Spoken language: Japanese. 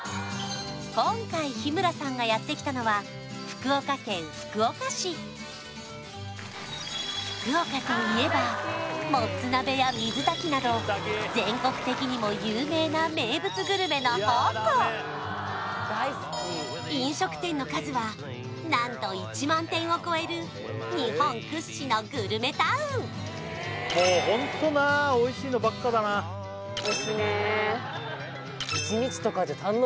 今回日村さんがやってきたのは福岡といえばもつ鍋や水炊きなど全国的にも有名な名物グルメの宝庫飲食店の数は何と１万店を超える日本屈指のグルメタウンということでね